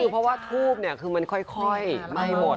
คือเพราะว่าทูบคือมันค่อยไหม้หมด